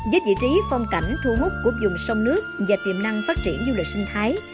với vị trí phong cảnh thu hút của dùng sông nước và tiềm năng phát triển du lịch sinh thái